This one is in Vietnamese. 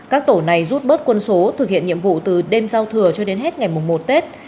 các tổ này rút bớt quân số thực hiện nhiệm vụ từ đêm giao thừa cho đến hết ngày mùng một tết